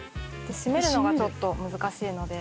閉めるのがちょっと難しいので。